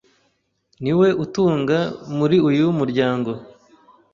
Niwe utunga muri uyu muryango.